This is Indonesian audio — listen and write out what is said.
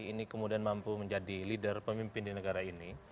ini kemudian mampu menjadi leader pemimpin di negara ini